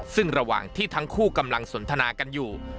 ซึ่งระหว่างที่ทั้งคู่กำลังสนทนากันอยู่